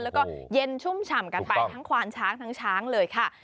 แล้วก็เย็นชุ่มฉ่ำกันไปทั้งควานช้างทั้งช้างเลยค่ะ